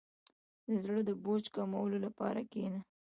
• د زړۀ د بوج کمولو لپاره کښېنه.